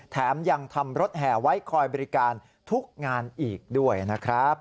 แถมยังทำรถแห่ไว้คอยบริการทุกงานอีกด้วยนะครับ